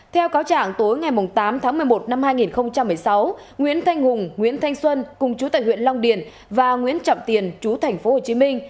theo cáo trạng tối ngày tám tháng một mươi một năm hai nghìn một mươi sáu nguyễn thanh hùng nguyễn thanh xuân cùng chú tại huyện long điền và nguyễn trọng tiền chú thành phố hồ chí minh